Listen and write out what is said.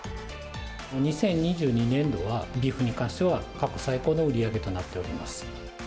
２０２２年度は、ビーフンに関しては過去最高の売り上げとなっております。